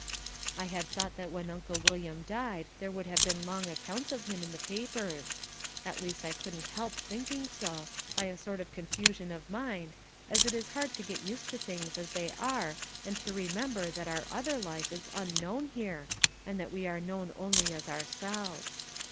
I had thought that when Uncle William died there would have been long accounts of him in the papers; at least I couldn't help thinking so, by a sort of confusion of mind, as it is hard to get used to things as they are and to remember that our other life is unknown here and that we are known only as ourselves.